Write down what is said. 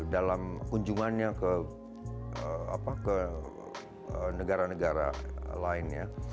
dalam kunjungannya ke negara negara lainnya